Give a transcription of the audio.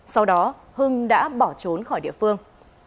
sau đó hưng đã bỏ trốn khỏi địa phương